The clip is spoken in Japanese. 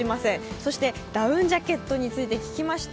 そしてダウンジャケットについて聞きました。